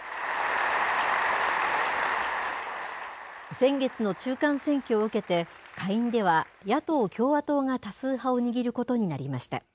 先月の中間選挙を受けて、下院では、野党・共和党が多数派を握ることになりました。